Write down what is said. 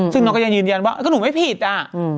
ซึ่งน้องก็ยังยืนยันว่าก็หนูไม่ผิดอ่ะ